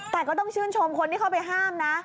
แต่ก็ต้องชื่นชมคนที่เข้าไปห้ามนะ